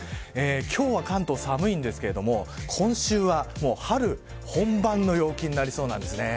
今日は関東、寒いんですけど今週は春本番の陽気になりそうなんですね。